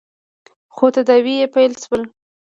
خو تداوې يې پیل شول.